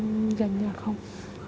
em gần như là không